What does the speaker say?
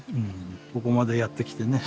ここまでやってきてね